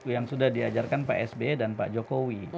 yang sudah diajarkan pak sbe dan pak jokowi